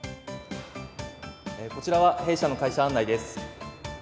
こちらは、弊社の会社案内です。